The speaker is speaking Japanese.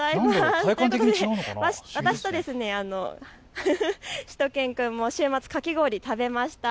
私としゅと犬くんも週末、かき氷を食べました。